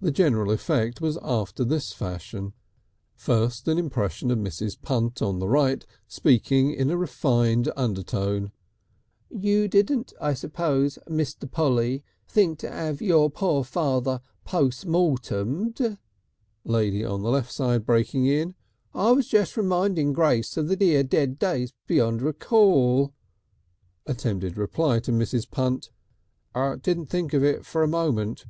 The general effect was after this fashion: First an impression of Mrs. Punt on the right speaking in a refined undertone: "You didn't, I suppose, Mr. Polly, think to 'ave your poor dear father post mortemed " Lady on the left side breaking in: "I was just reminding Grace of the dear dead days beyond recall " Attempted reply to Mrs. Punt: "Didn't think of it for a moment.